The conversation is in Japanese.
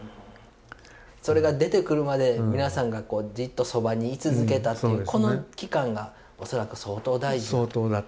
それが出てくるまで皆さんがこうじっとそばに居続けたっていうこの期間が恐らく相当大事。